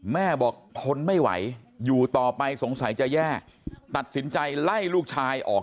แม่บอกทนไม่ไหวอยู่ต่อไปสงสัยจะแย่ตัดสินใจไล่ลูกชายออก